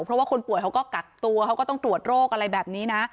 เพราะว่าคนป่วยเขาก็กักตัวเขาก็ต้องตรวจโรคอะไรแบบนี้นะ